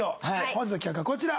本日の企画はこちら。